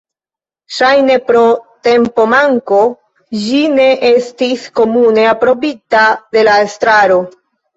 Ŝajne pro tempomanko, ĝi ne estis komune aprobita de la estraro.